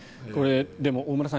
でも大村さん